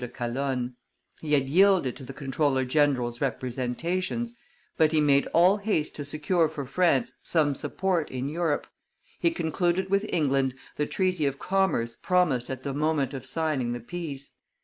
de Calonne; he had yielded to the comptroller general's representations, but he made all haste to secure for France some support in Europe; he concluded with England the treaty of commerce promised at the moment of signing the peace.